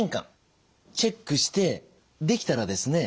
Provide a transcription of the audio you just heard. チェックしてできたらですね